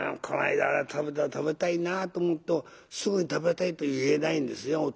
この間食べた食べたいなと思うとすぐに食べたいと言えないんですよ